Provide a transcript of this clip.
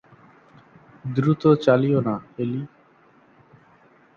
দ্রুত চালিয়ো না, এলি।